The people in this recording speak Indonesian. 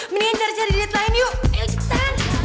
mendingan cari cari diet lain yuk ayo suster